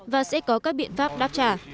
và sẽ có các biện pháp đáp trả